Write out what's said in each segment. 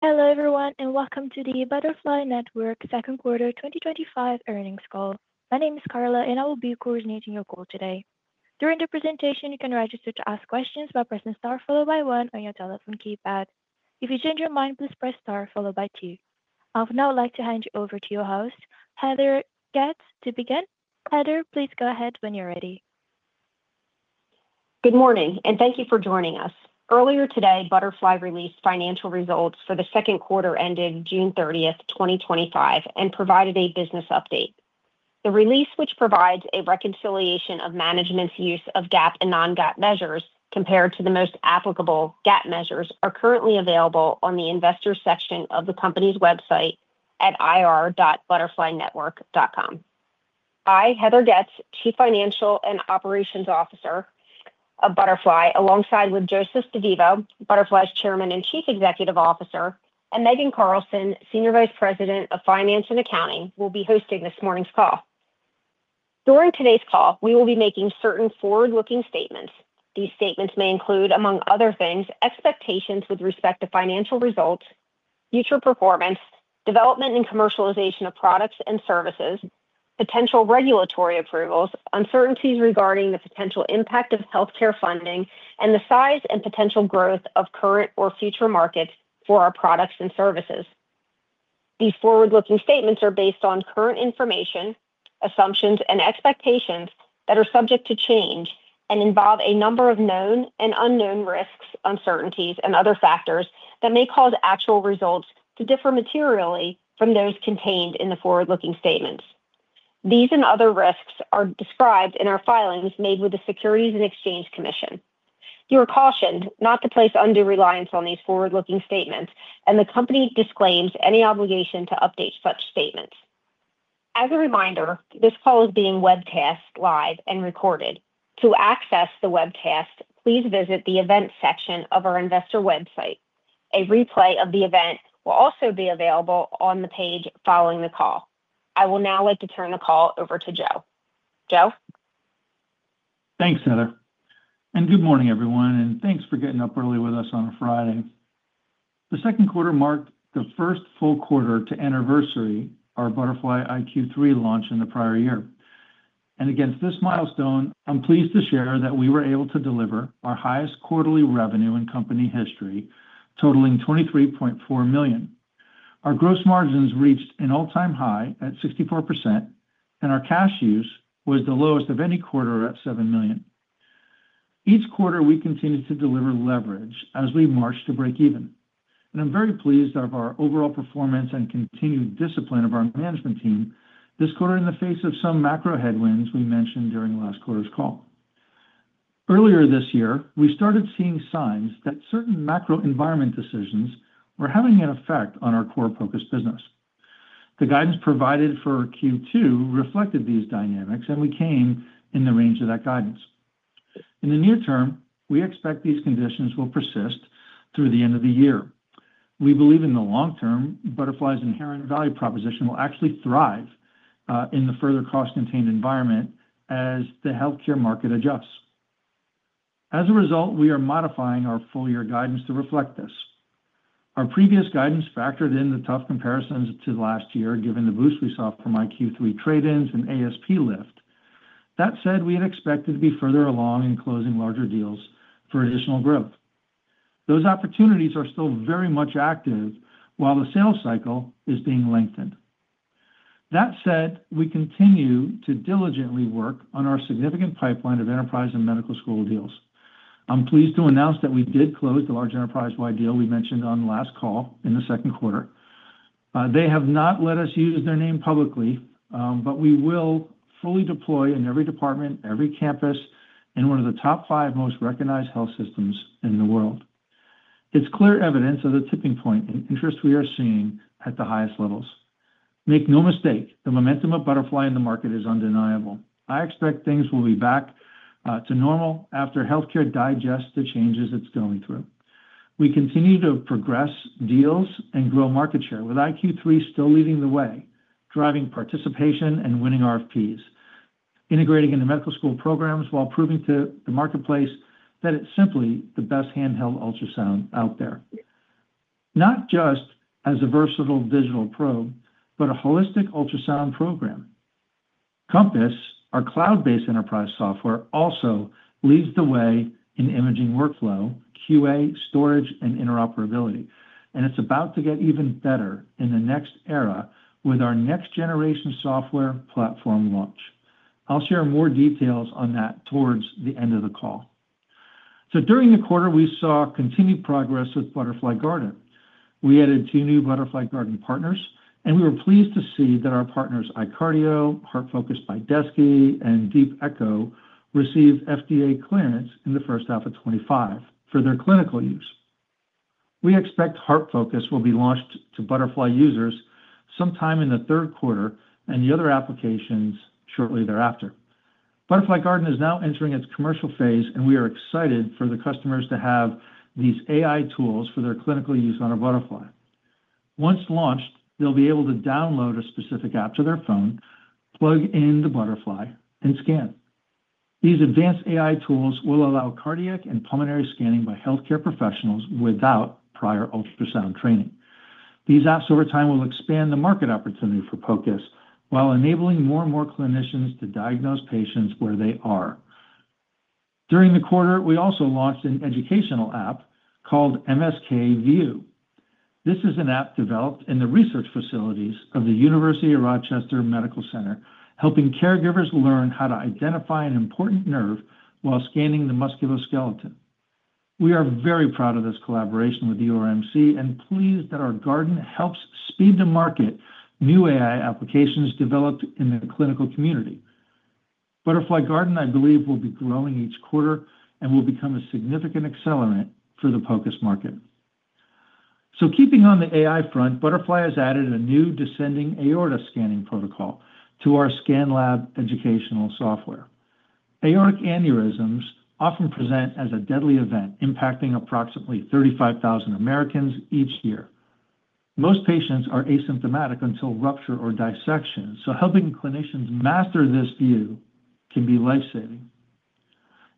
Hello everyone, and welcome to the Butterfly Network second quarter 2025 earnings call. My name is Carla, and I will be coordinating your call today. During the presentation, you can register to ask questions by pressing star followed by one on your telephone keypad. If you change your mind, please press star followed by two. I would now like to hand you over to your host, Heather Getz, to begin. Heather, please go ahead when you're ready. Good morning, and thank you for joining us. Earlier today, Butterfly released financial results for the second quarter ending June 30, 2025, and provided a business update. The release, which provides a reconciliation of management's use of GAAP and non-GAAP measures compared to the most applicable GAAP measures, is currently available on the investors section of the company's website at ir.butterflynetwork.com. I, Heather Getz, Chief Financial and Operations Officer of Butterfly, alongside Joseph DeVivo, Butterfly's Chairman and Chief Executive Officer, and Megan Carlson, Senior Vice President of Finance and Accounting, will be hosting this morning's call. During today's call, we will be making certain forward-looking statements. These statements may include, among other things, expectations with respect to financial results, future performance, development and commercialization of products and services, potential regulatory approvals, uncertainties regarding the potential impact of healthcare funding, and the size and potential growth of current or future markets for our products and services. These forward-looking statements are based on current information, assumptions, and expectations that are subject to change and involve a number of known and unknown risks, uncertainties, and other factors that may cause actual results to differ materially from those contained in the forward-looking statements. These and other risks are described in our filings made with the Securities and Exchange Commission. You are cautioned not to place undue reliance on these forward-looking statements, and the company disclaims any obligation to update such statements. As a reminder, this call is being webcast live and recorded. To access the webcast, please visit the events section of our investor website. A replay of the event will also be available on the page following the call. I will now like to turn the call over to Joe. Joe? Thanks, Heather. Good morning, everyone, and thanks for getting up early with us on a Friday. The second quarter marked the first full quarter to anniversary our Butterfly iQ3 launch in the prior year. Against this milestone, I'm pleased to share that we were able to deliver our highest quarterly revenue in company history, totaling $23.4 million. Our gross margins reached an all-time high at 64%, and our cash use was the lowest of any quarter at $7 million. Each quarter, we continued to deliver leverage as we marched to break even. I'm very pleased with our overall performance and continued discipline of our management team this quarter in the face of some macroeconomic headwinds we mentioned during last quarter's call. Earlier this year, we started seeing signs that certain macro environment decisions were having an effect on our core focus business. The guidance provided for Q2 reflected these dynamics, and we came in the range of that guidance. In the near term, we expect these conditions will persist through the end of the year. We believe in the long term, Butterfly's inherent value proposition will actually thrive in the further cost-contained environment as the healthcare market adjusts. As a result, we are modifying our full-year guidance to reflect this. Our previous guidance factored in the tough comparisons to last year, given the boost we saw from iQ3 trade-ins and ASP lift. That said, we had expected to be further along in closing larger deals for additional growth. Those opportunities are still very much active while the sales cycle is being lengthened. We continue to diligently work on our significant pipeline of enterprise and medical school deals. I'm pleased to announce that we did close the large enterprise-wide deal we mentioned on the last call in the second quarter. They have not let us use their name publicly, but we will fully deploy in every department, every campus, in one of the top five most recognized health systems in the world. It's clear evidence of the tipping point and interest we are seeing at the highest levels. Make no mistake, the momentum of Butterfly in the market is undeniable. I expect things will be back to normal after healthcare digests the changes it's going through. We continue to progress deals and grow market share, with iQ3 still leading the way, driving participation and winning RFPs, integrating into medical school programs while proving to the marketplace that it's simply the best handheld ultrasound out there, not just as a versatile digital probe, but a holistic ultrasound program. Compass, our cloud-based enterprise software, also leads the way in imaging workflow, QA, storage, and interoperability. It's about to get even better in the next era with our next-generation software platform launch. I'll share more details on that towards the end of the call. During the quarter, we saw continued progress with Butterfly Garden. We added two new Butterfly Garden partners, and we were pleased to see that our partners iCardio, HeartFocus by Deski, and DeepEcho received FDA clearance in the first half of 2025 for their clinical use. We expect HeartFocus will be launched to Butterfly users sometime in the third quarter, and the other applications shortly thereafter. Butterfly Garden is now entering its commercial phase, and we are excited for the customers to have these AI tools for their clinical use on a Butterfly. Once launched, they'll be able to download a specific app to their phone, plug into Butterfly, and scan. These advanced AI tools will allow cardiac and pulmonary scanning by healthcare professionals without prior ultrasound training. These apps over time will expand the market opportunity for POCUS while enabling more and more clinicians to diagnose patients where they are. During the quarter, we also launched an educational app called MSK VUE. This is an app developed in the research facilities of the University of Rochester Medical Center, helping caregivers learn how to identify an important nerve while scanning the musculoskeleton. We are very proud of this collaboration with URMC and pleased that our Garden helps speed the market new AI applications developed in the clinical community. Butterfly Garden, I believe, will be growing each quarter and will become a significant accelerant for the POCUS market. Keeping on the AI front, Butterfly has added a new descending aorta scanning protocol to our ScanLab educational software. Aortic aneurysms often present as a deadly event impacting approximately 35,000 Americans each year. Most patients are asymptomatic until rupture or dissection, so helping clinicians master this view can be lifesaving.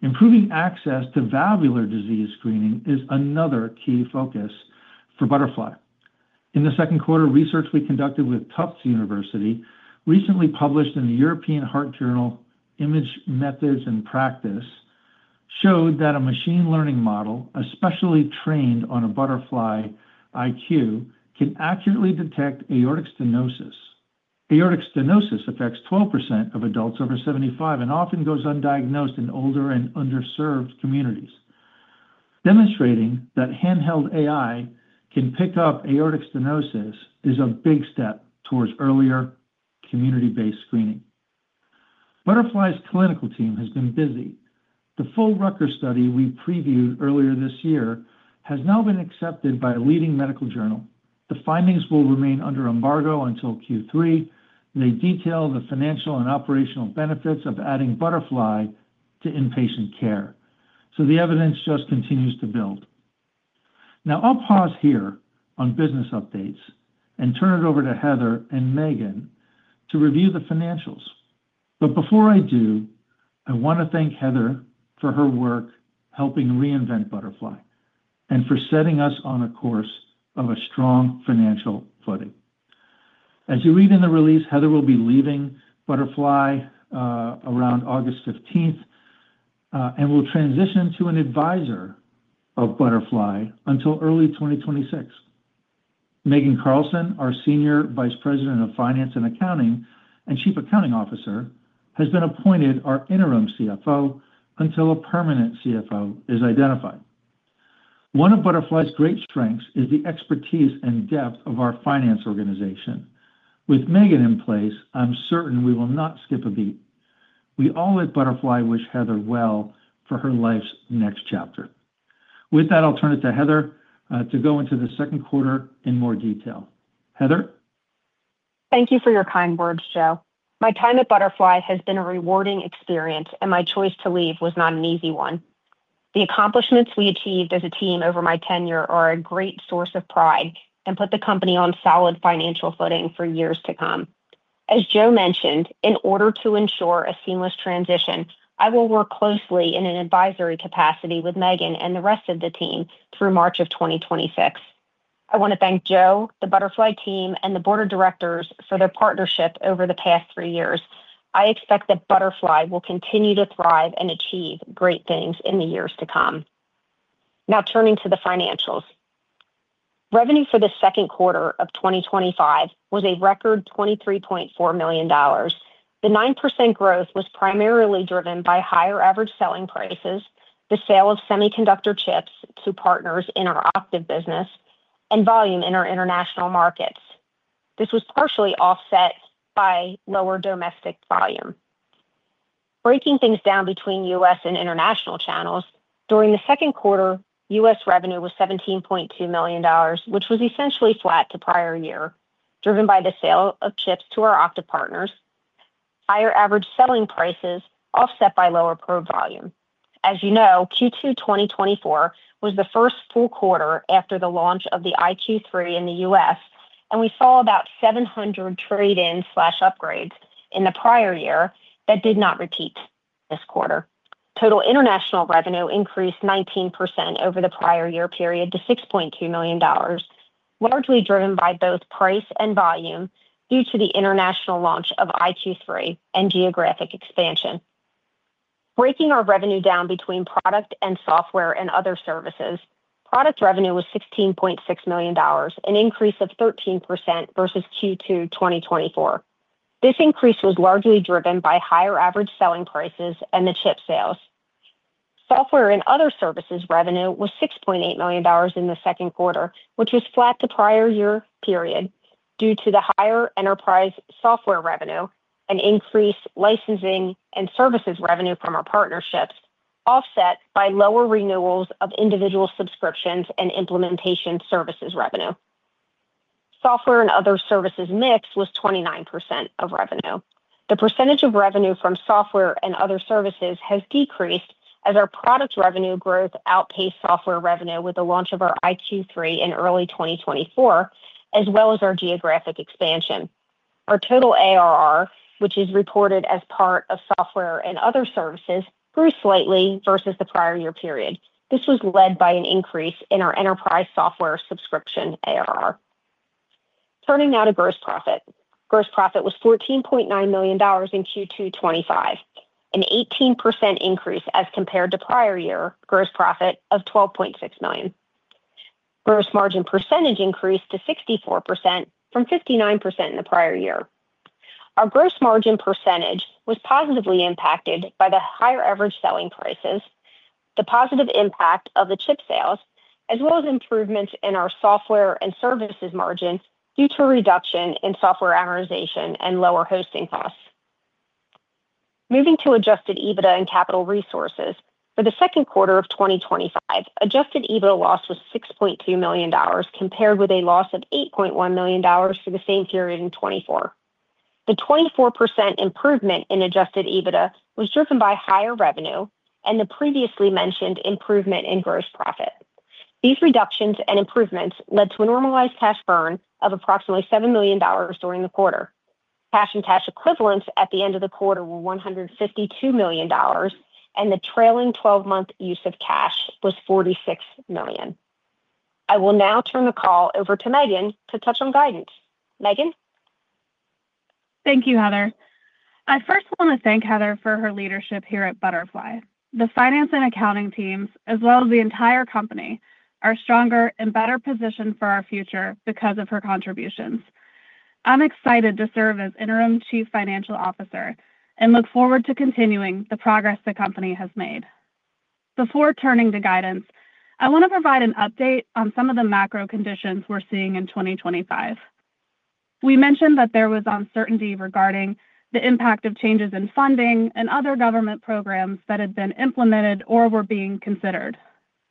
Improving access to valvular disease screening is another key focus for Butterfly. In the second quarter, research we conducted with Tufts University, recently published in the European Heart Journal, Imaging Methods and Practice, showed that a machine learning model, especially trained on a Butterfly iQ, can accurately detect aortic stenosis. Aortic stenosis affects 12% of adults over 75 and often goes undiagnosed in older and underserved communities. Demonstrating that handheld AI can pick up aortic stenosis is a big step towards earlier community-based screening. Butterfly's clinical team has been busy. The full Rutgers study we previewed earlier this year has now been accepted by a leading medical journal. The findings will remain under embargo until Q3. They detail the financial and operational benefits of adding Butterfly to inpatient care. The evidence just continues to build. Now, I'll pause here on business updates and turn it over to Heather and Megan to review the financials. Before I do, I want to thank Heather for her work helping reinvent Butterfly and for setting us on a course of a strong financial footing. As you read in the release, Heather will be leaving Butterfly around August 15, and will transition to an advisor of Butterfly until early 2026. Megan Carlson, our Senior Vice President of Finance and Accounting and Chief Accounting Officer, has been appointed our Interim CFO until a permanent CFO is identified. One of Butterfly's great strengths is the expertise and depth of our finance organization. With Megan in place, I'm certain we will not skip a beat. We all at Butterfly wish Heather well for her life's next chapter. With that, I'll turn it to Heather to go into the second quarter in more detail. Heather? Thank you for your kind words, Joe. My time at Butterfly has been a rewarding experience, and my choice to leave was not an easy one. The accomplishments we achieved as a team over my tenure are a great source of pride and put the company on solid financial footing for years to come. As Joe mentioned, in order to ensure a seamless transition, I will work closely in an advisory capacity with Megan and the rest of the team through March of 2026. I want to thank Joe, the Butterfly team, and the board of directors for their partnership over the past three years. I expect that Butterfly will continue to thrive and achieve great things in the years to come. Now, turning to the financials, revenue for the second quarter of 2025 was a record $23.4 million. The 9% growth was primarily driven by higher average selling prices, the sale of semiconductor chips to partners in our Octiv business, and volume in our international markets. This was partially offset by lower domestic volume. Breaking things down between U.S. and international channels, during the second quarter, U.S. revenue was $17.2 million, which was essentially flat to prior year, driven by the sale of chips to our Octiv partners, higher average selling prices offset by lower probe volume. As you know, Q2 2024 was the first full quarter after the launch of the iQ3 in the U.S., and we saw about 700 trade-ins/upgrades in the prior year that did not repeat this quarter. Total international revenue increased 19% over the prior year period to $6.2 million, largely driven by both price and volume due to the international launch of iQ3 and geographic expansion. Breaking our revenue down between product and software and other services, product revenue was $16.6 million, an increase of 13% versus Q2 2024. This increase was largely driven by higher average selling prices and the chip sales. Software and other services revenue was $6.8 million in the second quarter, which was flat to prior year period due to the higher enterprise software revenue, an increased licensing and services revenue from our partnerships, offset by lower renewals of individual subscriptions and implementation services revenue. Software and other services mix was 29% of revenue. The percentage of revenue from software and other services has decreased as our product revenue growth outpaced software revenue with the launch of our iQ3 in early 2024, as well as our geographic expansion. Our total ARR, which is reported as part of software and other services, grew slightly versus the prior year period. This was led by an increase in our enterprise software subscription ARR. Turning now to gross profit, gross profit was $14.9 million in Q2 2025, an 18% increase as compared to prior year gross profit of $12.6 million. Gross margin percentage increased to 64% from 59% in the prior year. Our gross margin percentage was positively impacted by the higher average selling prices, the positive impact of the chip sales, as well as improvements in our software and services margins due to a reduction in software amortization and lower hosting costs. Moving to adjusted EBITDA and capital resources, for the second quarter of 2025, adjusted EBITDA loss was $6.2 million compared with a loss of $8.1 million for the same period in 2024. The 24% improvement in adjusted EBITDA was driven by higher revenue and the previously mentioned improvement in gross profit. These reductions and improvements led to a normalized cash burn of approximately $7 million during the quarter. Cash and cash equivalents at the end of the quarter were $152 million, and the trailing 12-month use of cash was $46 million. I will now turn the call over to Megan to touch on guidance. Megan. Thank you, Heather. I first want to thank Heather for her leadership here at Butterfly. The finance and accounting teams, as well as the entire company, are stronger and better positioned for our future because of her contributions. I'm excited to serve as Interim Chief Financial Officer and look forward to continuing the progress the company has made. Before turning to guidance, I want to provide an update on some of the macro conditions we're seeing in 2025. We mentioned that there was uncertainty regarding the impact of changes in funding and other government programs that had been implemented or were being considered.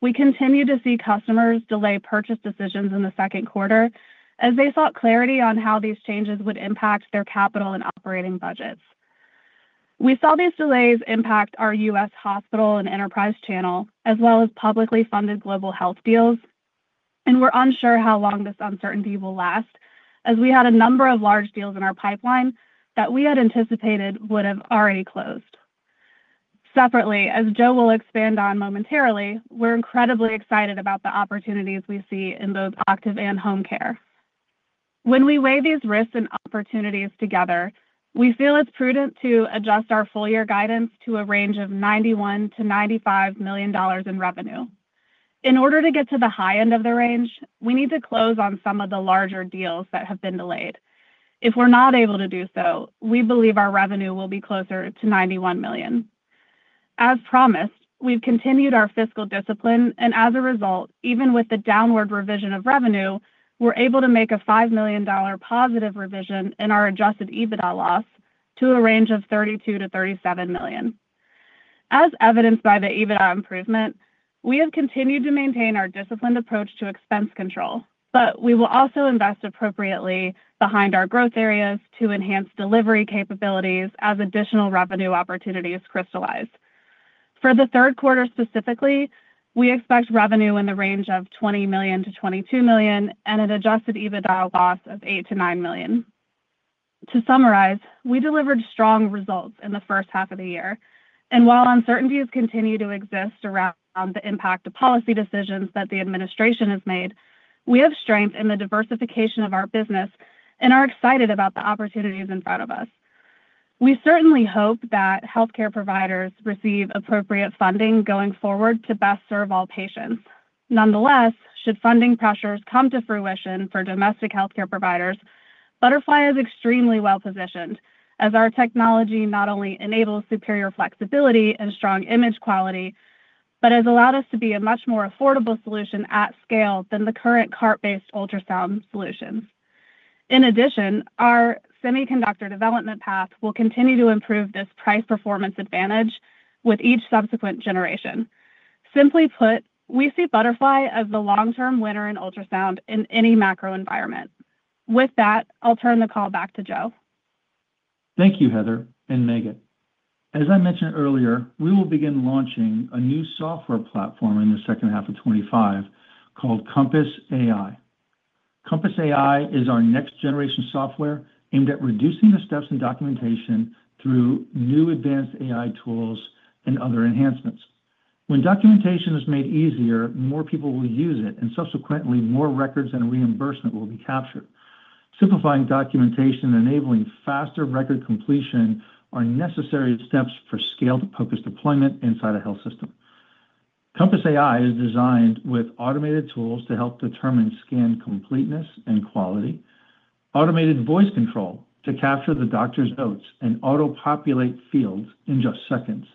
We continue to see customers delay purchase decisions in the second quarter as they sought clarity on how these changes would impact their capital and operating budgets. We saw these delays impact our U.S. hospital and enterprise channel, as well as publicly funded global health deals, and we're unsure how long this uncertainty will last as we had a number of large deals in our pipeline that we had anticipated would have already closed. Separately, as Joe will expand on momentarily, we're incredibly excited about the opportunities we see in both Octiv and HomeCare. When we weigh these risks and opportunities together, we feel it's prudent to adjust our full-year guidance to a range of $91 million-$95 million in revenue. In order to get to the high end of the range, we need to close on some of the larger deals that have been delayed. If we're not able to do so, we believe our revenue will be closer to $91 million. As promised, we've continued our fiscal discipline, and as a result, even with the downward revision of revenue, we're able to make a $5 million positive revision in our adjusted EBITDA loss to a range of $32 million-$37 million. As evidenced by the EBITDA improvement, we have continued to maintain our disciplined approach to expense control, but we will also invest appropriately behind our growth areas to enhance delivery capabilities as additional revenue opportunities crystallize. For the third quarter specifically, we expect revenue in the range of $20 million-$22 million and an adjusted EBITDA loss of $8 million-$9 million. To summarize, we delivered strong results in the first half of the year, and while uncertainties continue to exist around the impact of policy decisions that the administration has made, we have strength in the diversification of our business and are excited about the opportunities in front of us. We certainly hope that healthcare providers receive appropriate funding going forward to best serve all patients. Nonetheless, should funding pressures come to fruition for domestic healthcare providers, Butterfly is extremely well positioned as our technology not only enables superior flexibility and strong image quality, but has allowed us to be a much more affordable solution at scale than the current cart-based ultrasound solutions. In addition, our semiconductor development path will continue to improve this price performance advantage with each subsequent generation. Simply put, we see Butterfly as the long-term winner in ultrasound in any macro environment. With that, I'll turn the call back to Joe. Thank you, Heather and Megan. As I mentioned earlier, we will begin launching a new software platform in the second half of 2025 called Compass AI. Compass AI is our next-generation software aimed at reducing the steps in documentation through new advanced AI tools and other enhancements. When documentation is made easier, more people will use it, and subsequently, more records and reimbursement will be captured. Simplifying documentation and enabling faster record completion are necessary steps for scaled POCUS deployment inside a health system. Compass AI is designed with automated tools to help determine scan completeness and quality, automated voice control to capture the doctor's notes, and auto-populate fields in just seconds.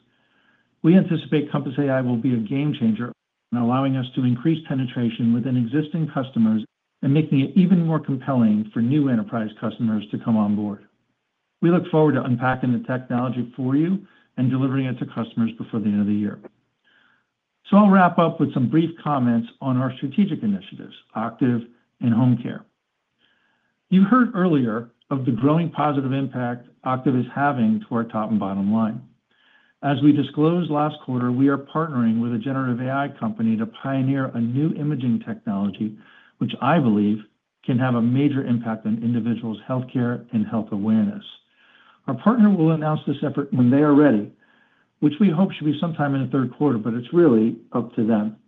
We anticipate Compass AI will be a game changer in allowing us to increase penetration within existing customers and making it even more compelling for new enterprise customers to come on board. We look forward to unpacking the technology for you and delivering it to customers before the end of the year. I'll wrap up with some brief comments on our strategic initiatives, Octiv and HomeCare. You heard earlier of the growing positive impact Octiv is having to our top and bottom line. As we disclosed last quarter, we are partnering with a generative AI company to pioneer a new imaging technology, which I believe can have a major impact on individuals' healthcare and health awareness. Our partner will announce this effort when they are ready, which we hope should be sometime in the third quarter, but it's really up to them.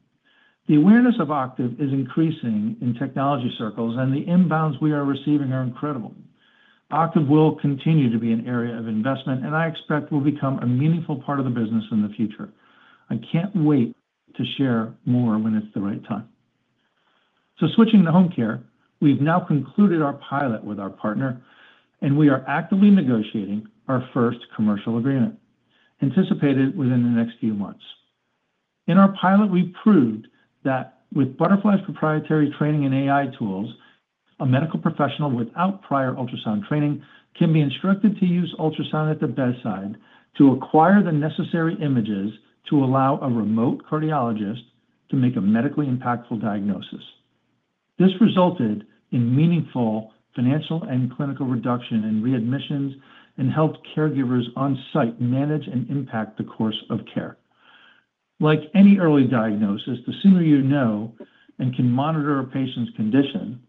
The awareness of Octiv is increasing in technology circles, and the inbounds we are receiving are incredible. Octiv will continue to be an area of investment, and I expect we'll become a meaningful part of the business in the future. I can't wait to share more when it's the right time. Switching to HomeCare, we've now concluded our pilot with our partner, and we are actively negotiating our first commercial agreement anticipated within the next few months. In our pilot, we proved that with Butterfly's proprietary training and AI tools, a medical professional without prior ultrasound training can be instructed to use ultrasound at the bedside to acquire the necessary images to allow a remote cardiologist to make a medically impactful diagnosis. This resulted in meaningful financial and clinical reduction in readmissions and helped caregivers on-site manage and impact the course of care. Like any early diagnosis, the sooner you know and can monitor a patient's condition,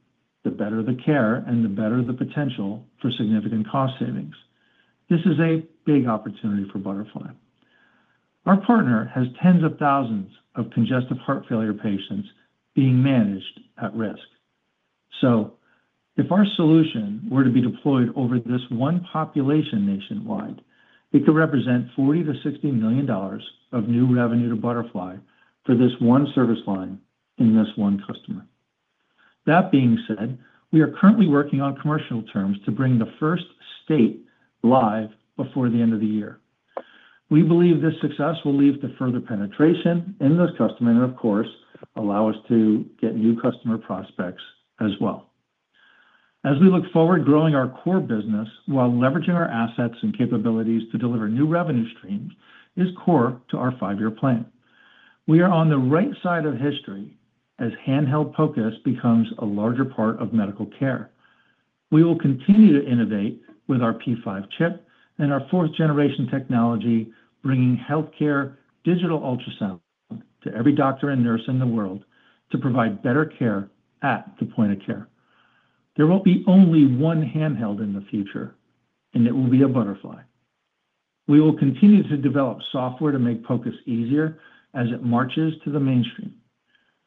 the better the care and the better the potential for significant cost savings. This is a big opportunity for Butterfly. Our partner has tens of thousands of congestive heart failure patients being managed at risk. If our solution were to be deployed over this one population nationwide, it could represent $40 million-$60 million of new revenue to Butterfly for this one service line in this one customer. That being said, we are currently working on commercial terms to bring the first state live before the end of the year. We believe this success will lead to further penetration in this customer and, of course, allow us to get new customer prospects as well. As we look forward, growing our core business while leveraging our assets and capabilities to deliver new revenue streams is core to our five-year plan. We are on the right side of history as handheld POCUS becomes a larger part of medical care. We will continue to innovate with our P5 chip and our fourth-generation technology, bringing healthcare digital ultrasound to every doctor and nurse in the world to provide better care at the point of care. There won't be only one handheld in the future, and it will be a Butterfly. We will continue to develop software to make POCUS easier as it marches to the mainstream.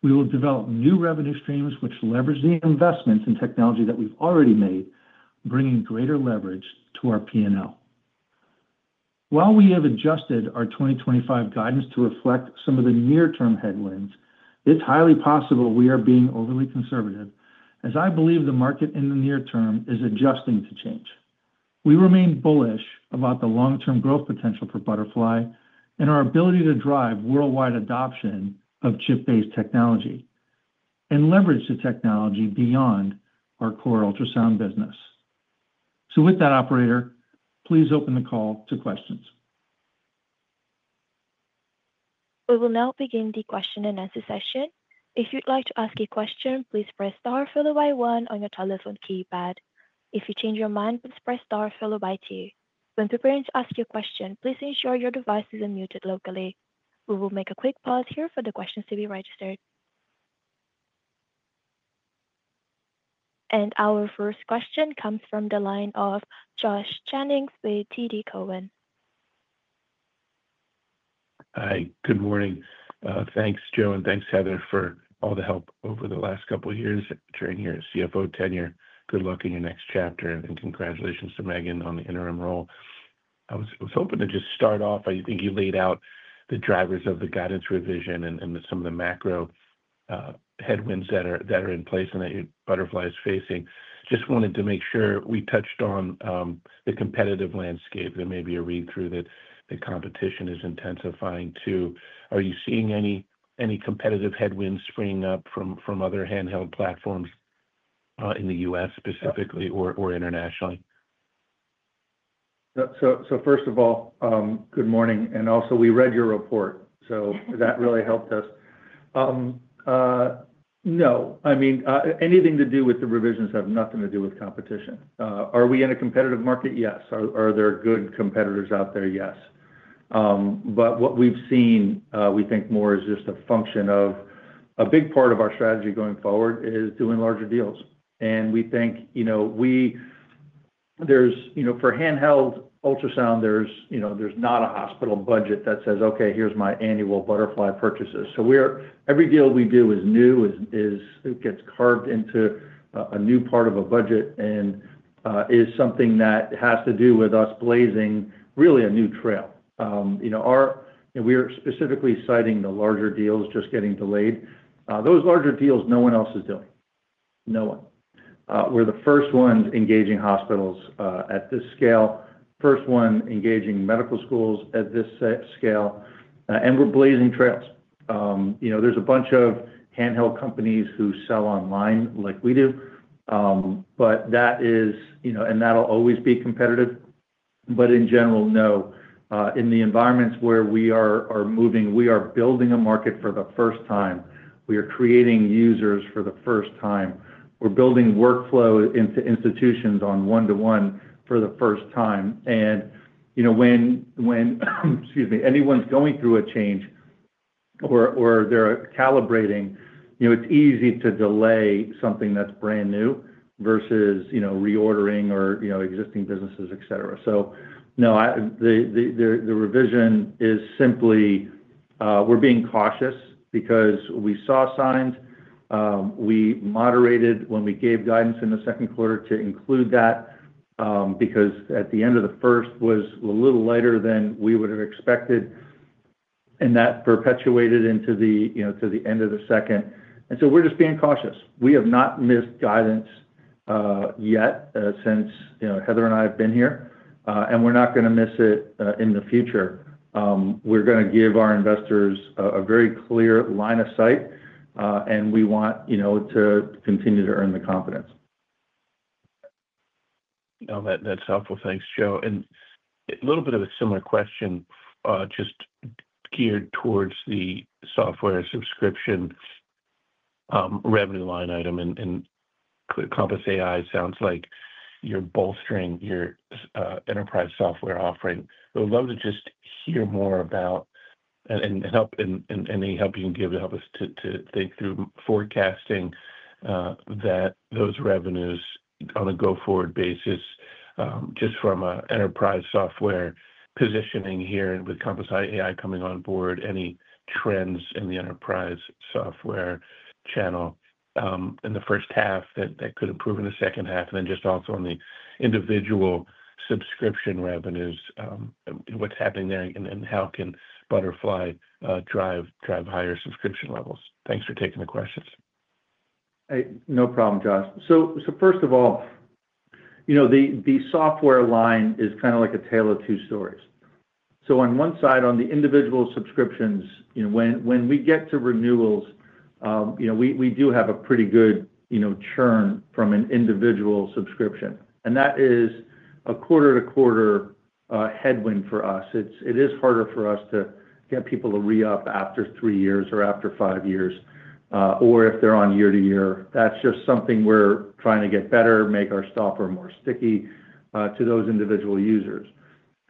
We will develop new revenue streams which leverage the investments in technology that we've already made, bringing greater leverage to our P&L. While we have adjusted our 2025 guidance to reflect some of the near-term headwinds, it's highly possible we are being overly conservative as I believe the market in the near term is adjusting to change. We remain bullish about the long-term growth potential for Butterfly and our ability to drive worldwide adoption of chip-based technology and leverage the technology beyond our core ultrasound business. With that, operator, please open the call to questions. We will now begin the question-and-answer session. If you'd like to ask a question, please press star followed by one on your telephone keypad. If you change your mind, please press star followed by two. When preparing to ask your question, please ensure your device is unmuted locally. We will make a quick pause here for the questions to be registered. Our first question comes from the line of Josh Jennings with TD Cowen. Hi. Good morning. Thanks, Joe, and thanks, Heather, for all the help over the last couple of years. During your CFO tenure, good luck in your next chapter, and congratulations to Megan on the interim role. I was hoping to just start off. I think you laid out the drivers of the guidance revision and some of the macro headwinds that are in place and that Butterfly is facing. Just wanted to make sure we touched on the competitive landscape. There may be a read-through that the competition is intensifying too. Are you seeing any competitive headwinds springing up from other handheld platforms in the U.S. specifically or internationally? First of all, good morning. We read your report, so that really helped us. Anything to do with the revisions has nothing to do with competition. Are we in a competitive market? Yes. Are there good competitors out there? Yes. What we've seen, we think, more is just a function of a big part of our strategy going forward is doing larger deals. We think, for handheld ultrasound, there's not a hospital budget that says, "Okay, here's my annual Butterfly purchases." Every deal we do is new, it gets carved into a new part of a budget and is something that has to do with us blazing really a new trail. We're specifically citing the larger deals just getting delayed. Those larger deals, no one else is doing. No one. We're the first ones engaging hospitals at this scale, first one engaging medical schools at this scale, and we're blazing trails. There are a bunch of handheld companies who sell online like we do, but that is, and that'll always be competitive. In general, in the environments where we are moving, we are building a market for the first time. We are creating users for the first time. We're building workflow into institutions on one-to-one for the first time. When anyone's going through a change or they're calibrating, it's easy to delay something that's brand new versus reordering or existing businesses, et cetera. The revision is simply, we're being cautious because we saw signs. We moderated when we gave guidance in the second quarter to include that because at the end of the first was a little lighter than we would have expected, and that perpetuated into the end of the second. We're just being cautious. We have not missed guidance yet since Heather and I have been here, and we're not going to miss it in the future. We're going to give our investors a very clear line of sight, and we want to continue to earn the confidence. No, that's helpful. Thanks, Joe. A little bit of a similar question, just geared towards the software subscription revenue line item. Compass AI sounds like you're bolstering your enterprise software offering. We would love to just hear more about and any help you can give to help us to think through forecasting those revenues on a go-forward basis, just from an enterprise software positioning here with Compass AI coming on board, any trends in the enterprise software channel in the first half that could improve in the second half, and then just also on the individual subscription revenues, what's happening there, and how can Butterfly drive higher subscription levels? Thanks for taking the questions. No problem, Josh. First of all, the software line is kind of like a tale of two stories. On one side, on the individual subscriptions, when we get to renewals, we do have a pretty good churn from an individual subscription, and that is a quarter-to-quarter headwind for us. It is harder for us to get people to re-up after three years or after five years, or if they're on year-to-year. That's just something we're trying to get better, make our software more sticky to those individual users.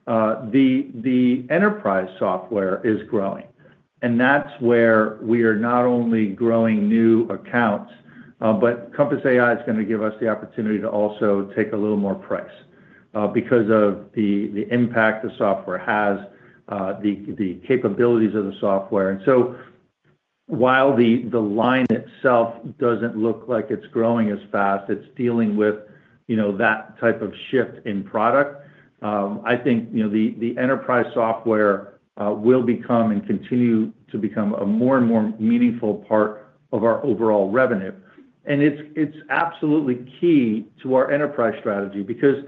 The enterprise software is growing, and that's where we are not only growing new accounts, but Compass AI is going to give us the opportunity to also take a little more price because of the impact the software has, the capabilities of the software. While the line itself doesn't look like it's growing as fast, it's dealing with that type of shift in product. I think the enterprise software will become and continue to become a more and more meaningful part of our overall revenue. It's absolutely key to our enterprise strategy because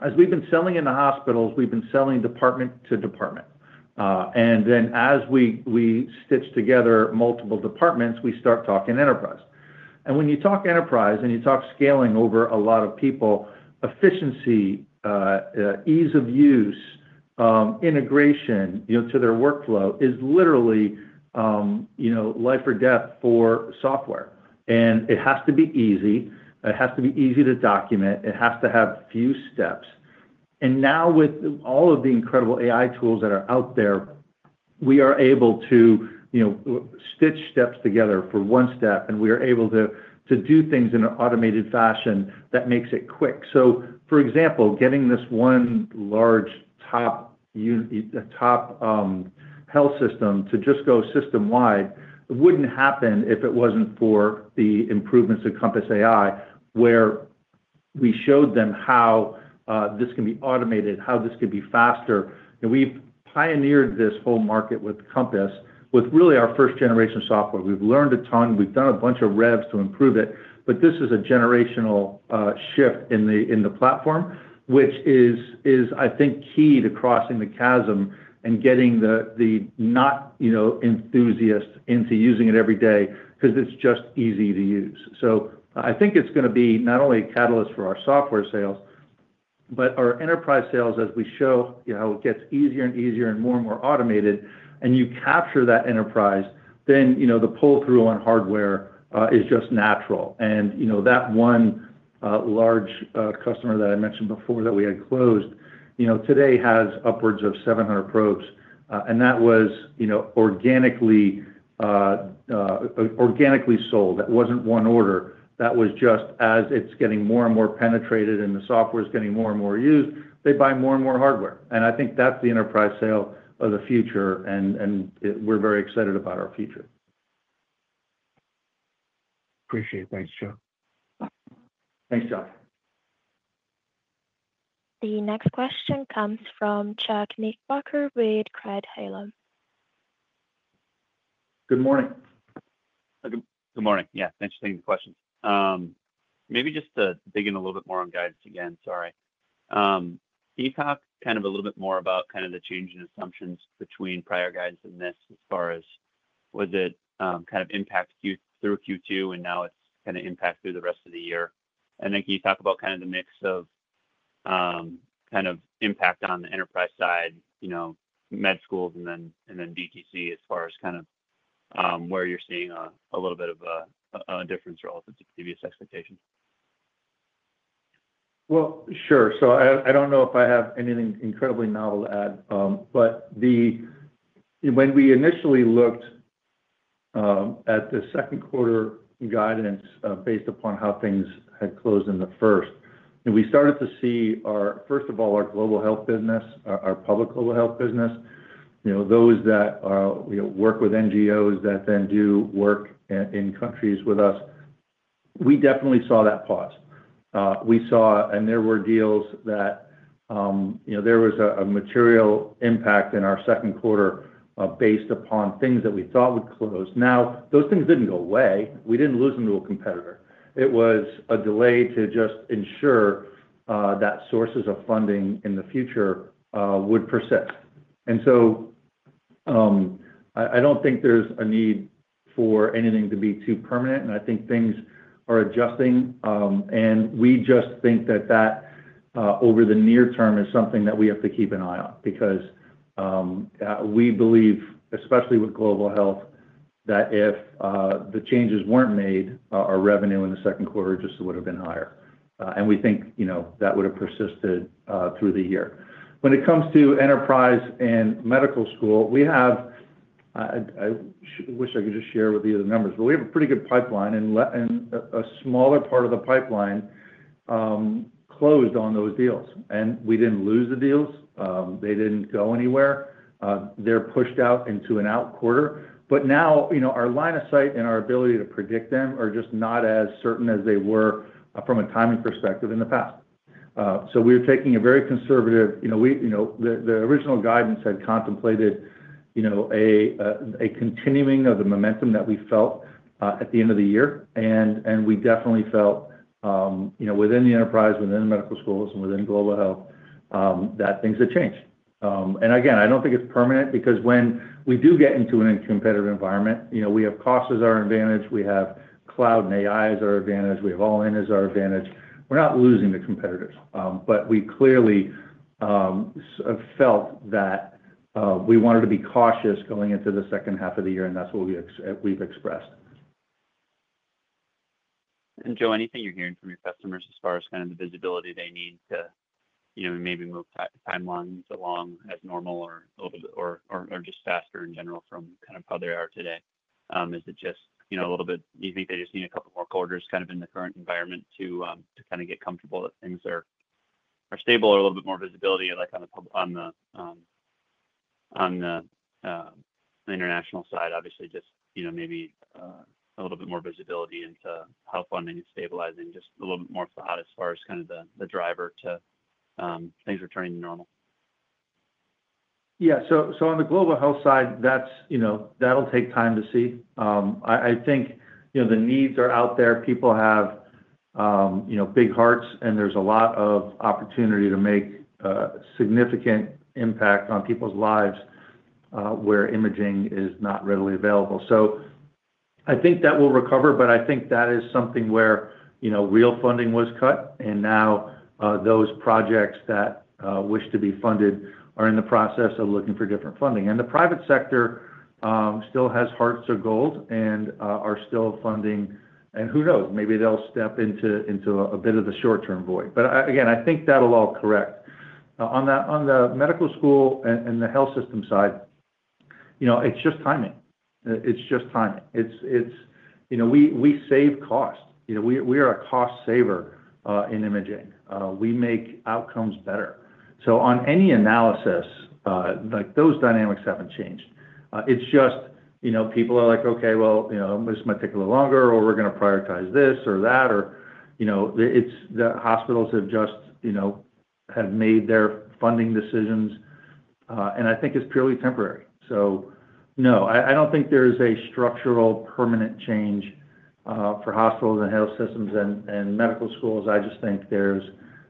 as we've been selling in the hospitals, we've been selling department to department. As we stitch together multiple departments, we start talking enterprise. When you talk enterprise and you talk scaling over a lot of people, efficiency, ease of use, integration to their workflow is literally life or death for software. It has to be easy. It has to be easy to document. It has to have few steps. Now with all of the incredible AI tools that are out there, we are able to stitch steps together for one step, and we are able to do things in an automated fashion that makes it quick. For example, getting this one large top health system to just go system-wide wouldn't happen if it wasn't for the improvements to Compass AI, where we showed them how this can be automated, how this could be faster. We've pioneered this whole market with Compass with really our first-generation software. We've learned a ton, and we've done a bunch of revs to improve it. This is a generational shift in the platform, which is, I think, key to crossing the chasm and getting the not, you know, enthusiasts into using it every day because it's just easy to use. I think it's going to be not only a catalyst for our software sales, but our enterprise sales, as we show it gets easier and easier and more and more automated, and you capture that enterprise, then the pull-through on hardware is just natural. That one large customer that I mentioned before that we had closed today has upwards of 700 probes, and that was organically sold. That wasn't one order. That was just as it's getting more and more penetrated and the software is getting more and more used, they buy more and more hardware. I think that's the enterprise sale of the future, and we're very excited about our future. Appreciate it. Thanks, Joe. Thanks, Josh. The next question comes from Chase Knickerbocker with Craig-Hallum. Good morning. Good morning. Thanks for taking the question. Maybe just to dig in a little bit more on guidance again. Sorry. Can you talk a little bit more about the change in assumptions between prior guidance and this as far as was it impacted through Q2 and now it's impacted through the rest of the year? Can you talk about the mix of impact on the enterprise side, you know, med schools and then DTC as far as where you're seeing a little bit of a difference relative to previous expectations? I don't know if I have anything incredibly novel to add. When we initially looked at the second quarter guidance based upon how things had closed in the first, we started to see, first of all, our global health business, our public global health business, you know, those that work with NGOs that then do work in countries with us. We definitely saw that pause. There were deals that, you know, there was a material impact in our second quarter based upon things that we thought would close. Those things didn't go away. We didn't lose a new competitor. It was a delay to just ensure that sources of funding in the future would persist. I don't think there's a need for anything to be too permanent, and I think things are adjusting. We just think that over the near term is something that we have to keep an eye on because we believe, especially with global health, that if the changes weren't made, our revenue in the second quarter just would have been higher. We think that would have persisted through the year. When it comes to enterprise and medical school, I wish I could just share with you the numbers, but we have a pretty good pipeline, and a smaller part of the pipeline closed on those deals. We didn't lose the deals. They didn't go anywhere. They're pushed out into an out quarter. Now, our line of sight and our ability to predict them are just not as certain as they were from a timing perspective in the past. We're taking a very conservative, you know, the original guidance had contemplated a continuing of the momentum that we felt at the end of the year. We definitely felt within the enterprise, within medical schools, and within global health that things had changed. I don't think it's permanent because when we do get into an incompetitive environment, we have costs as our advantage, we have cloud and AI as our advantage, we have all in as our advantage. We're not losing the competitors, but we clearly felt that we wanted to be cautious going into the second half of the year, and that's what we've expressed. Joe, anything you're hearing from your customers as far as the visibility they need to maybe move timelines along as normal or over or just faster in general from how they are today? Is it just a little bit, do you think they just need a couple more quarters in the current environment to get comfortable that things are stable or a little bit more visibility on the international side? Obviously, maybe a little bit more visibility into how funding is stabilizing, just a little bit more thought as far as the driver to things returning to normal. Yeah. On the global health side, that'll take time to see. I think the needs are out there. People have big hearts, and there's a lot of opportunity to make a significant impact on people's lives where imaging is not readily available. I think that will recover, but that is something where real funding was cut, and now those projects that wish to be funded are in the process of looking for different funding. The private sector still has hearts of gold and is still funding, and who knows, maybe they'll step into a bit of the short-term void. I think that'll all correct. On the medical school and the health system side, it's just timing. We save costs. We are a cost saver in imaging. We make outcomes better. On any analysis, those dynamics haven't changed. People are like, "Okay, well, this might take a little longer," or, "We're going to prioritize this or that," or, it's the hospitals have made their funding decisions. I think it's purely temporary. No, I don't think there's a structural permanent change for hospitals and health systems and medical schools. I just think there's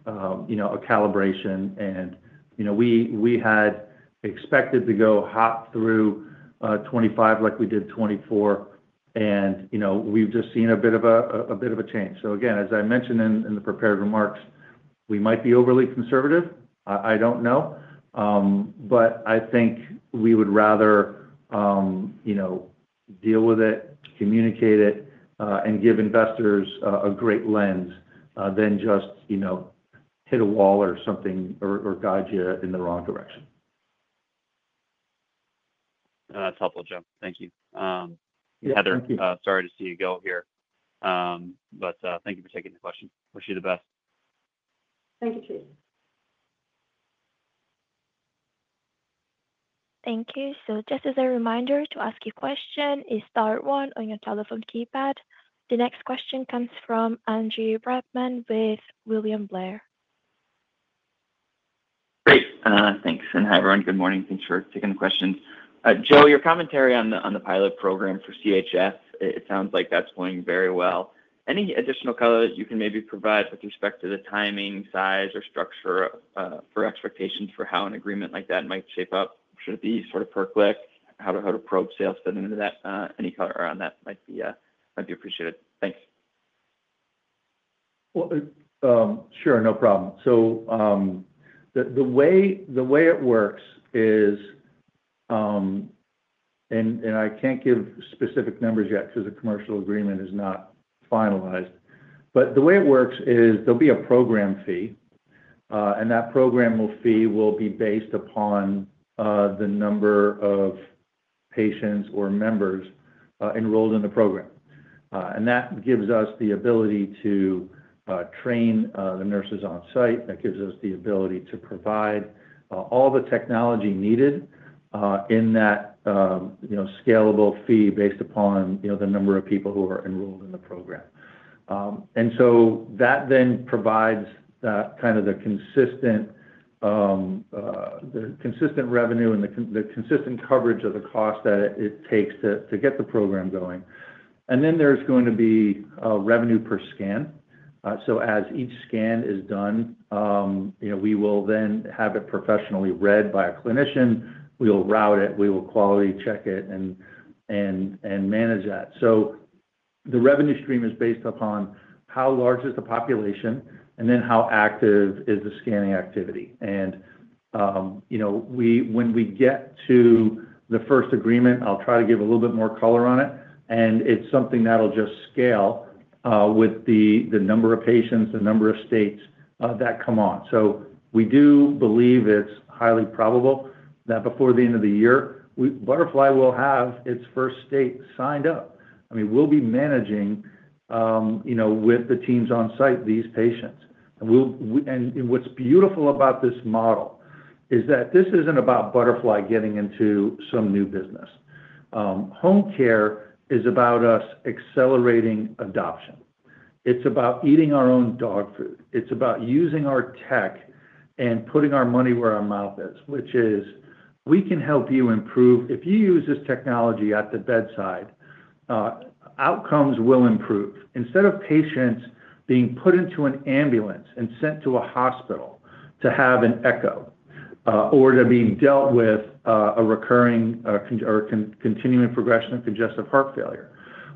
a calibration. We had expected to go hot through 2025 like we did 2024, and we've just seen a bit of a change. As I mentioned in the prepared remarks, we might be overly conservative. I don't know. I think we would rather deal with it, communicate it, and give investors a great lens than just hit a wall or guide you in the wrong direction. That's helpful, Joe. Thank you. Heather, sorry to see you go here, but thank you for taking the question. Wish you the best. Thank you, Chase. Thank you. Just as a reminder, to ask your question, it is star one on your telephone keypad. The next question comes from Andrew Brackmann with William Blair. Thanks. Hi, everyone. Good morning. Thanks for taking the question. Joe, your commentary on the pilot program for congestive heart failure, it sounds like that's going very well. Any additional color that you can maybe provide with respect to the timing, size, or structure for expectations for how an agreement like that might shape up? Should it be sort of per click? How to probe sales spend into that? Any color around that might be appreciated. Thanks. No problem. The way it works is, and I can't give specific numbers yet because the commercial agreement is not finalized, but the way it works is there will be a program fee, and that program fee will be based upon the number of patients or members enrolled in the program. That gives us the ability to train the nurses on-site. That gives us the ability to provide all the technology needed in that scalable fee based upon the number of people who are enrolled in the program. That then provides kind of the consistent revenue and the consistent coverage of the cost that it takes to get the program going. There is going to be a revenue per scan. As each scan is done, we will then have it professionally read by a clinician. We will route it, quality check it, and manage that. The revenue stream is based upon how large the population is and how active the scanning activity is. When we get to the first agreement, I'll try to give a little bit more color on it. It's something that will just scale with the number of patients, the number of states that come on. We do believe it's highly probable that before the end of the year, Butterfly will have its first state signed up. We will be managing, with the teams on-site, these patients. What's beautiful about this model is that this isn't about Butterfly getting into some new business. HomeCare is about us accelerating adoption. It's about eating our own dog food. It's about using our tech and putting our money where our mouth is, which is we can help you improve. If you use this technology at the bedside, outcomes will improve. Instead of patients being put into an ambulance and sent to a hospital to have an echo or being dealt with a recurring or continuing progression of congestive heart failure,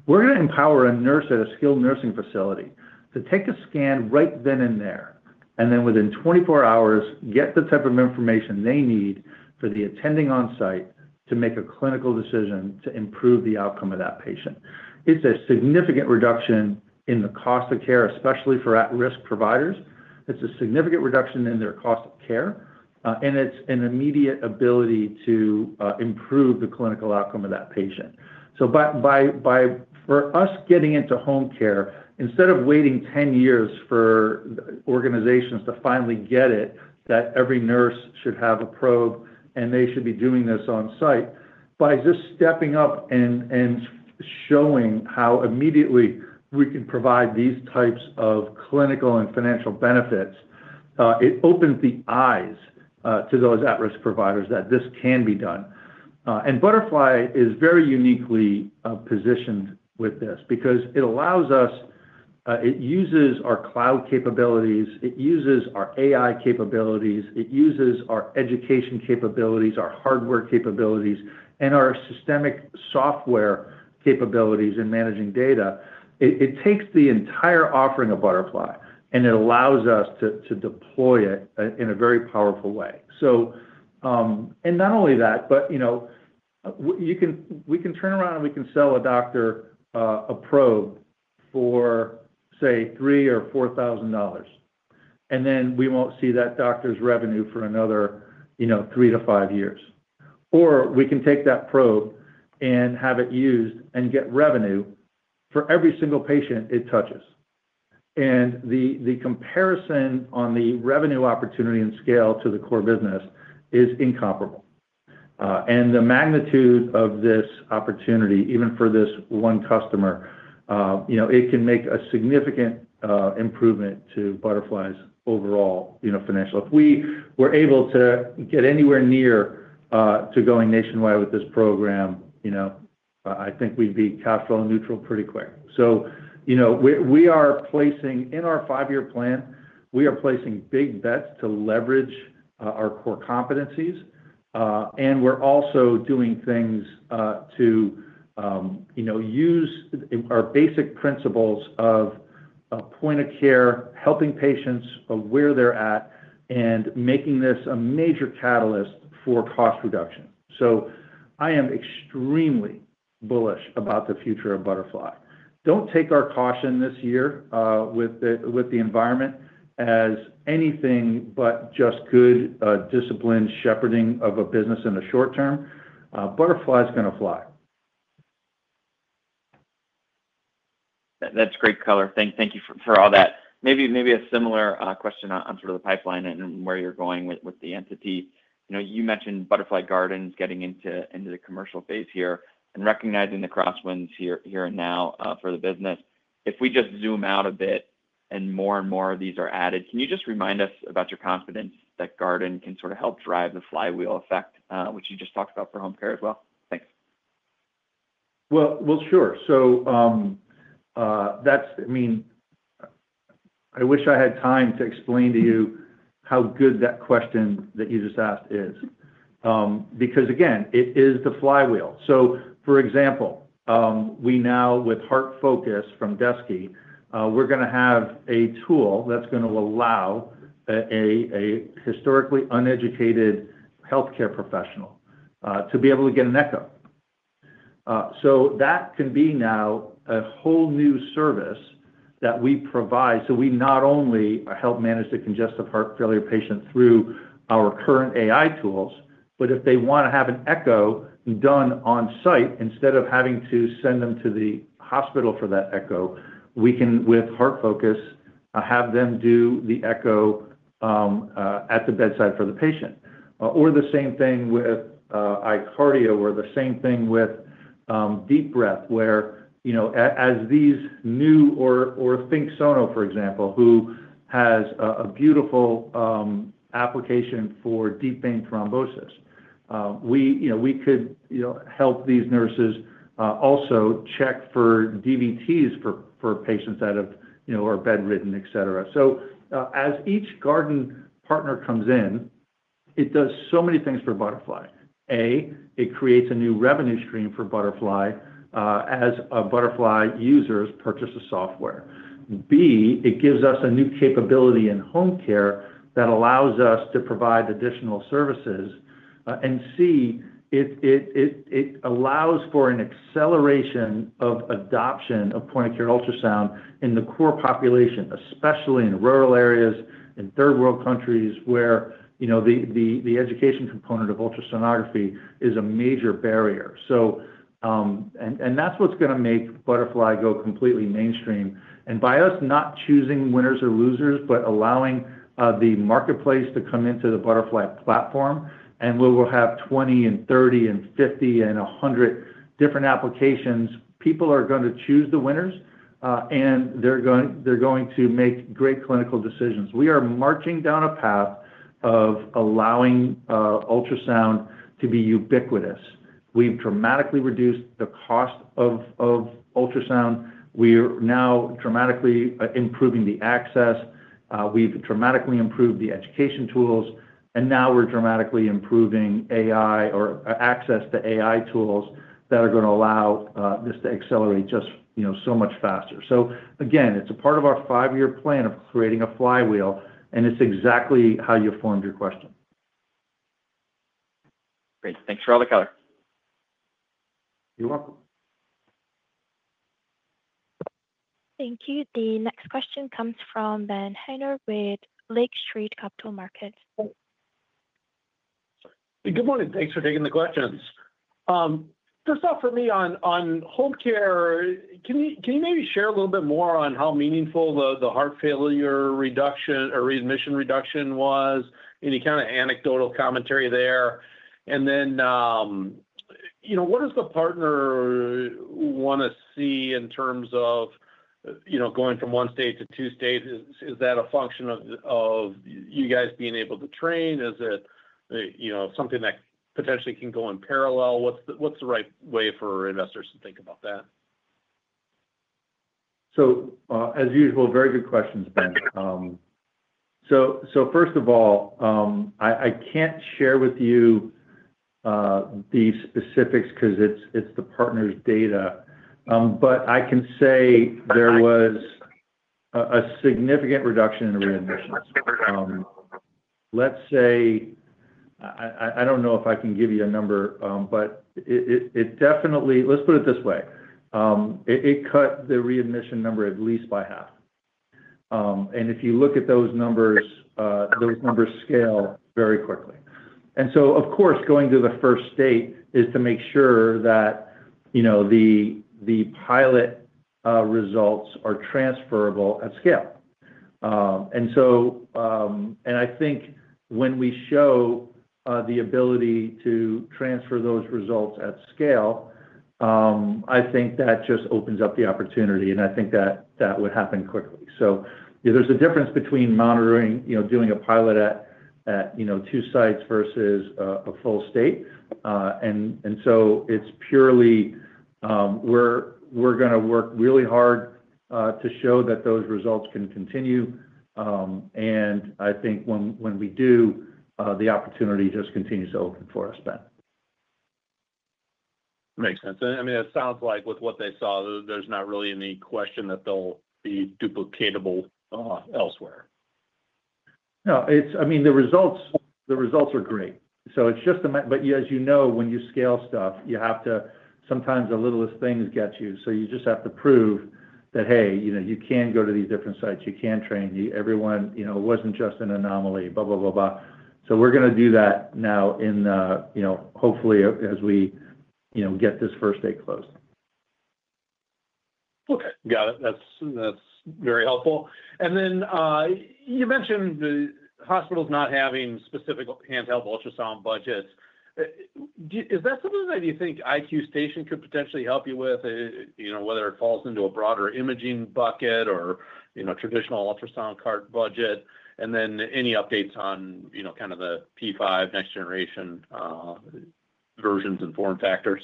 we're going to empower a nurse at a skilled nursing facility to take a scan right then and there, and then within 24 hours, get the type of information they need for the attending on-site to make a clinical decision to improve the outcome of that patient. It's a significant reduction in the cost of care, especially for at-risk providers. It's a significant reduction in their cost of care, and it's an immediate ability to improve the clinical outcome of that patient. By us getting into HomeCare, instead of waiting 10 years for organizations to finally get it, that every nurse should have a probe and they should be doing this on-site, by just stepping up and showing how immediately we can provide these types of clinical and financial benefits, it opens the eyes to those at-risk providers that this can be done. Butterfly is very uniquely positioned with this because it allows us, it uses our cloud capabilities, it uses our AI capabilities, it uses our education capabilities, our hardware capabilities, and our systemic software capabilities in managing data. It takes the entire offering of Butterfly, and it allows us to deploy it in a very powerful way. Not only that, but we can turn around and we can sell a doctor a probe for, say, $3,000 or $4,000, and then we won't see that doctor's revenue for another three to five years. Or we can take that probe and have it used and get revenue for every single patient it touches. The comparison on the revenue opportunity and scale to the core business is incomparable. The magnitude of this opportunity, even for this one customer, it can make a significant improvement to Butterfly's overall financials. If we were able to get anywhere near to going nationwide with this program, I think we'd be cash flow neutral pretty quick. We are placing in our five-year plan, we are placing big bets to leverage our core competencies, and we're also doing things to use our basic principles of point-of-care, helping patients where they're at, and making this a major catalyst for cost reduction. I am extremely bullish about the future of Butterfly. Don't take our caution this year with the environment as anything but just good disciplined shepherding of a business in the short term. Butterfly is going to fly. That's great color. Thank you for all that. Maybe a similar question on sort of the pipeline and where you're going with the entity. You mentioned Butterfly Garden is getting into the commercial phase here and recognizing the crosswinds here and now for the business. If we just zoom out a bit and more and more of these are added, can you just remind us about your confidence that Garden can sort of help drive the flywheel effect, which you just talked about for HomeCare as well? Thanks. That's, I mean, I wish I had time to explain to you how good that question that you just asked is because again, it is the flywheel. For example, we now with HeartFocus from Deski, we're going to have a tool that's going to allow a historically uneducated healthcare professional to be able to get an echo. That can be now a whole new service that we provide. We not only help manage the congestive heart failure patient through our current AI tools, but if they want to have an echo done on-site, instead of having to send them to the hospital for that echo, we can, with HeartFocus, have them do the echo at the bedside for the patient. The same thing with iCardio or the same thing with DeepEcho, where, you know, as these new, or ThinkSono, for example, who has a beautiful application for deep vein thrombosis, we could help these nurses also check for DVTs for patients that are, you know, bedridden, et cetera. As each Garden partner comes in, it does so many things for Butterfly. A, it creates a new revenue stream for Butterfly as Butterfly users purchase the software. B, it gives us a new capability in HomeCare that allows us to provide additional services. C, it allows for an acceleration of adoption of point-of-care ultrasound in the core population, especially in rural areas and third-world countries where, you know, the education component of ultrasonography is a major barrier. That's what's going to make Butterfly go completely mainstream. By us not choosing winners or losers, but allowing the marketplace to come into the Butterfly platform, and we will have 20 and 30 and 50 and 100 different applications, people are going to choose the winners, and they're going to make great clinical decisions. We are marching down a path of allowing ultrasound to be ubiquitous. We've dramatically reduced the cost of ultrasound. We are now dramatically improving the access. We've dramatically improved the education tools, and now we're dramatically improving AI or access to AI tools that are going to allow this to accelerate just, you know, so much faster. It's a part of our five-year plan of creating a flywheel, and it's exactly how you formed your question. Great. Thanks for all the color. You're welcome. Thank you. The next question comes from Ben Haynor with Lake Street Capital Markets. Good morning. Thanks for taking the question. Just off for me on HomeCare, can you maybe share a little bit more on how meaningful the heart failure reduction or readmission reduction was? Any kind of anecdotal commentary there? What does the partner want to see in terms of going from one state to two states? Is that a function of you guys being able to train? Is it something that potentially can go in parallel? What's the right way for investors to think about that? Very good questions, Ben. First of all, I can't share with you the specifics because it's the partner's data, but I can say there was a significant reduction in readmissions. I don't know if I can give you a number, but it definitely, let's put it this way, it cut the readmission number at least by half. If you look at those numbers, those numbers scale very quickly. Of course, going to the first state is to make sure that the pilot results are transferable at scale. I think when we show the ability to transfer those results at scale, that just opens up the opportunity, and I think that would happen quickly. There's a difference between monitoring, you know, doing a pilot at two sites versus a full state. It's purely, we're going to work really hard to show that those results can continue. I think when we do, the opportunity just continues to open for us, Ben. Makes sense. I mean, it sounds like with what they saw, there's not really any question that they'll be duplicatable elsewhere. No, I mean, the results are great. It's just that, as you know, when you scale stuff, sometimes the littlest things get you. You just have to prove that, hey, you know, you can go to these different sites, you can train everyone, you know, it wasn't just an anomaly, blah, blah, blah. We're going to do that now, hopefully as we get this first state closed. Okay. Got it. That's very helpful. You mentioned the hospitals not having specific handheld ultrasound budgets. Is that something that you think iQ station could potentially help you with, whether it falls into a broader imaging bucket or traditional ultrasound cart budget? Any updates on the P5 next-generation versions and form factors?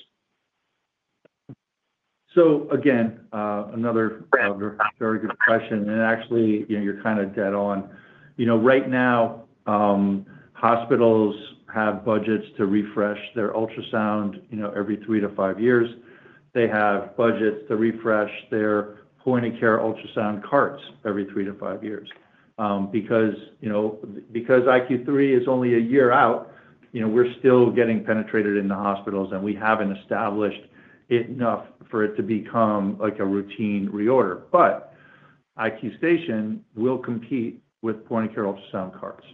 Again, another very good question. Actually, you're kind of dead on. Right now, hospitals have budgets to refresh their ultrasound every three to five years. They have budgets to refresh their point-of-care ultrasound carts every three to five years. Because iQ3 is only a year out, we're still getting penetrated in the hospitals, and we haven't established it enough for it to become like a routine reorder. iQ station will compete with point-of-care ultrasound carts.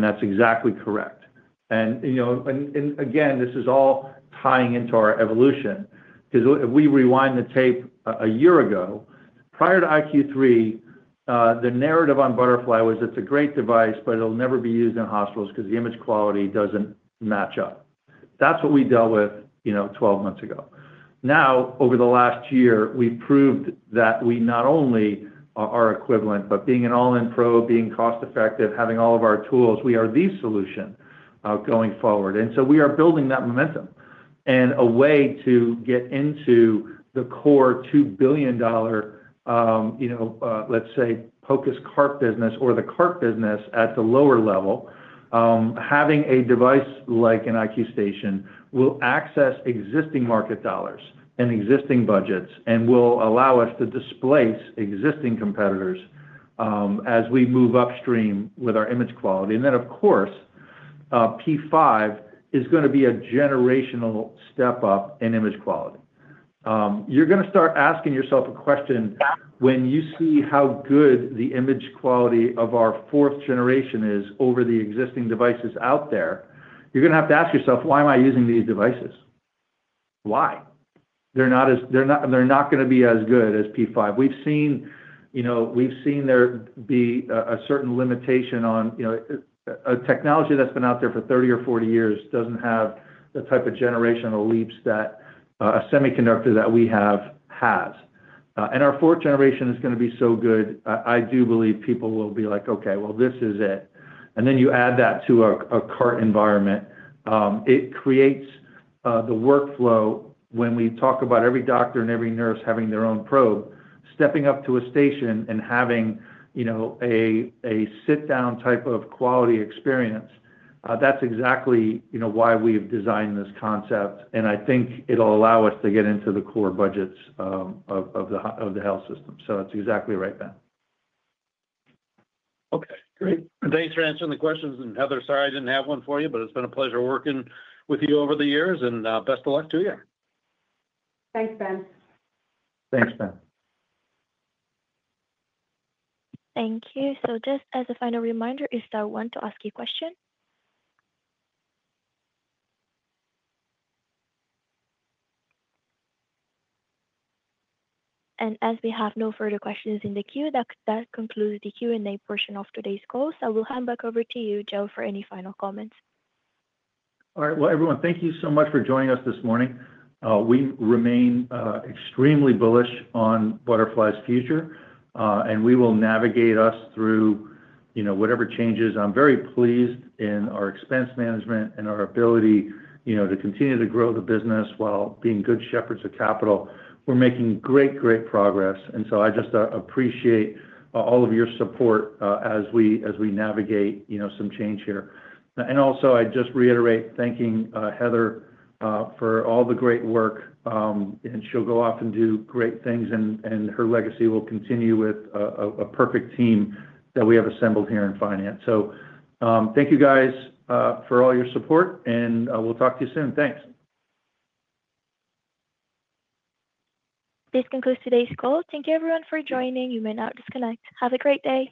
That's exactly correct. This is all tying into our evolution because if we rewind the tape a year ago, prior to iQ3, the narrative on Butterfly was it's a great device, but it'll never be used in hospitals because the image quality doesn't match up. That's what we dealt with 12 months ago. Now, over the last year, we proved that we not only are equivalent, but being an all-in probe, being cost-effective, having all of our tools, we are the solution going forward. We are building that momentum. A way to get into the core $2 billion POCUS cart business or the cart business at the lower level, having a device like an iQ station will access existing market dollars and existing budgets and will allow us to displace existing competitors as we move upstream with our image quality. Of course, P5 is going to be a generational step up in image quality. You're going to start asking yourself a question when you see how good the image quality of our fourth generation is over the existing devices out there. You're going to have to ask yourself, why am I using these devices? Why? They're not going to be as good as P5. We've seen there be a certain limitation on a technology that's been out there for 30 or 40 years, doesn't have the type of generational leaps that a semiconductor that we have has. Our fourth generation is going to be so good, I do believe people will be like, okay, well, this is it. You add that to a cart environment. It creates the workflow when we talk about every doctor and every nurse having their own probe, stepping up to a station and having a sit-down type of quality experience. That's exactly why we've designed this concept. I think it'll allow us to get into the core budgets of the health system. It's exactly right, Ben. Okay. Great. Thanks for answering the questions. Heather, sorry I didn't have one for you, but it's been a pleasure working with you over the years. Best of luck to you. Thanks, Ben. Thanks, Ben. Thank you. Just as a final reminder, if there is one to ask a question? As we have no further questions in the queue, that concludes the Q&A portion of today's call. I will hand back over to you, Joe, for any final comments. All right. Thank you so much for joining us this morning. We remain extremely bullish on Butterfly's future, and we will navigate us through whatever changes. I'm very pleased in our expense management and our ability to continue to grow the business while being good shepherds of capital. We're making great, great progress. I just appreciate all of your support as we navigate some change here. I also just reiterate thanking Heather for all the great work. She'll go off and do great things, and her legacy will continue with a perfect team that we have assembled here in finance. Thank you guys for all your support, and we'll talk to you soon. Thanks. This concludes today's call. Thank you, everyone, for joining. You may now disconnect. Have a great day.